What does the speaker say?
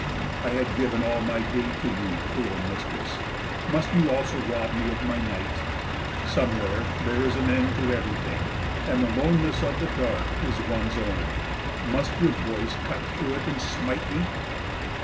I had given all my day to you, cruel mistress, must you also rob me of my night? Somewhere there is an end to everything, and the loneness of the dark is one's own. Must your voice cut through it and smite me?